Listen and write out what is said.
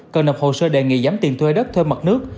cần nộp hồ sơ đề nghị giảm tiền thuê đất thuê mặt nước